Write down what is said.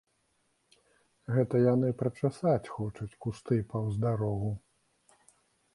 Гэта яны прачасаць хочуць кусты паўз дарогу.